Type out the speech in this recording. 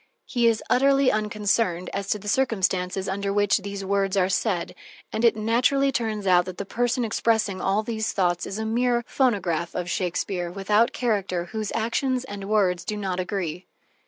He is utterly unconcerned as to the circumstances under which these words are said, and it naturally turns out that the person expressing all these thoughts is a mere phonograph of Shakespeare, without character, whose actions and words do not agree.